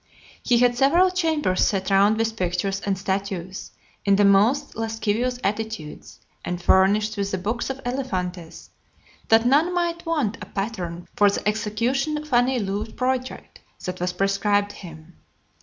He had several chambers set round with pictures and statues in the most lascivious attitudes, and furnished with the books of Elephantis, that none might want a pattern for the execution of any lewd project that was prescribed him.